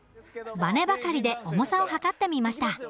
ばねばかりで重さを量ってみました。